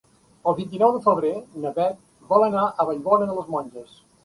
El vint-i-nou de febrer na Beth vol anar a Vallbona de les Monges.